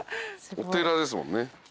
お寺ですもんね。